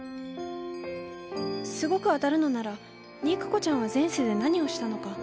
すごく当たるのなら肉子ちゃんは前世で何をしたのか。